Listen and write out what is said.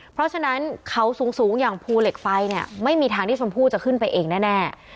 เพราะฉะนั้นเขาสูงอย่างภูเหล็กไฟเนี่ยไม่มีทางที่ชมพู่จะขึ้นไปเองแน่